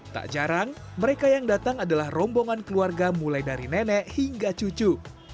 tak jarang mereka yang datang adalah rombongan keluarga mulai dari nenek hingga cucu